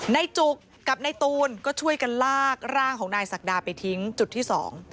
จุกกับในตูนก็ช่วยกันลากร่างของนายศักดาไปทิ้งจุดที่สอง